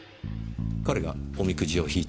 彼がおみくじを引いたのは？